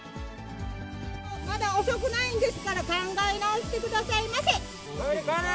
まだ遅くないですから、考え直してくださいませ。